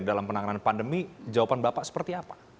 dalam penanganan pandemi jawaban bapak seperti apa